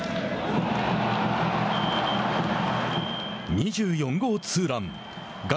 ２４号ツーラン。